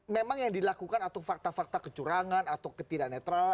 memang yang dilakukan atau fakta fakta kecurangan atau ketidak netral